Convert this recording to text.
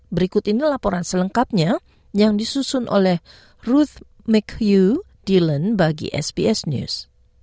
berikut ini laporan selengkapnya yang disusun oleh ruth mchugh dillon bagi sbs news